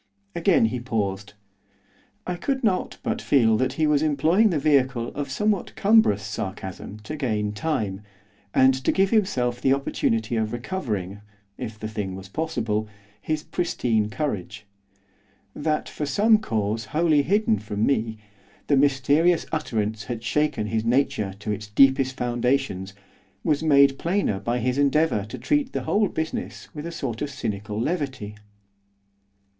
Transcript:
Again he paused. I could not but feel that he was employing the vehicle of somewhat cumbrous sarcasm to gain time, and to give himself the opportunity of recovering, if the thing was possible, his pristine courage. That, for some cause wholly hidden from me, the mysterious utterance had shaken his nature to its deepest foundations, was made plainer by his endeavour to treat the whole business with a sort of cynical levity.